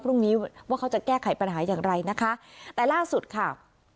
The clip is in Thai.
พรุ่งนี้ว่าเขาจะแก้ไขปัญหาอย่างไรนะคะแต่ล่าสุดค่ะ